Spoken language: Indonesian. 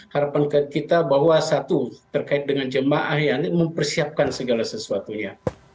harapan kita bahwa satu terkait dengan jemaah yang mempersiapkan segala sesuatunya